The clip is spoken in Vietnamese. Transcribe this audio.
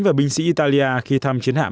và binh sĩ italia khi thăm chiến hạm